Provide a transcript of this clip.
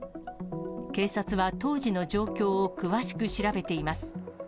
警察は当時の状況を詳しく調べています。